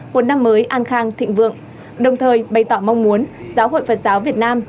một năm mới an khang thịnh vượng đồng thời bày tỏ mong muốn giáo hội phật giáo việt nam